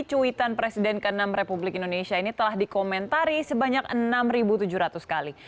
cuitan presiden ke enam republik indonesia ini telah dikomentari sebanyak enam tujuh ratus kali